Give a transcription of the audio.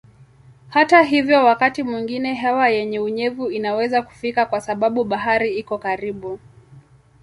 Hata hivyo wakati mwingine hewa yenye unyevu inaweza kufika kwa sababu bahari iko karibu.